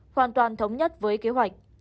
hoàn toàn thống nhất với kế hoạch